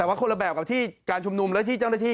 แต่ว่าคนละแบบกับที่การชุมนุมและที่เจ้าหน้าที่